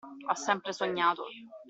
Ho sempre sognato